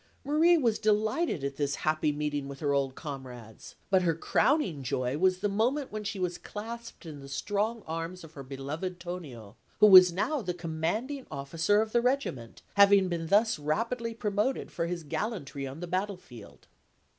Marie was delighted at this happy meeting with her old comrades; but her crowning joy was the moment when she was clasped in the strong arms of her beloved Tonio, who was now the commanding officer of the Regiment, having been thus rapidly promoted for his gallantry on the battlefield.